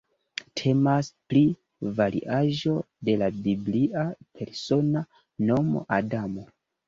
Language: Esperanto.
Temas pri variaĵo de la biblia persona nomo Adamo.